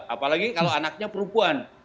apalagi kalau anaknya perempuan